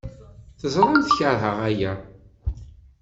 Teẓramt keṛheɣ aya.